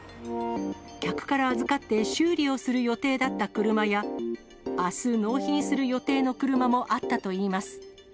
客から預かって修理をする予定だった車やあす、納品する予定の車もあったといいます。